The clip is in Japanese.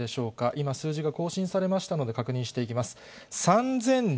今、数字が更新されましたので確認していきます。